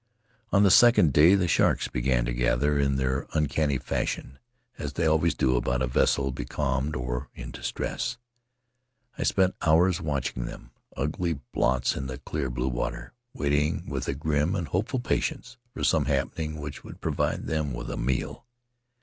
"On the second day the sharks began to gather in their uncanny fashion, as they always do about a vessel becalmed or in distress. I spent hours watch ing them — ugly blots in the clear blue water, waiting with a grim and hopeful patience for some happening which would provide them with a meal.